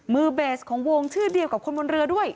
มือเบสของวงชื่อเดียวกับคนบนเรือด้วย